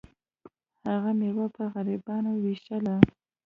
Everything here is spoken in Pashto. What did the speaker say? هغه میوه په غریبانو ویشله.